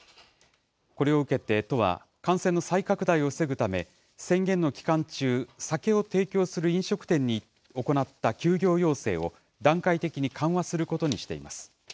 これを受けて都は、感染の再拡大を防ぐため、宣言の期間中、酒を提供する飲食店に行った休業要請を段階的に緩和することにしています。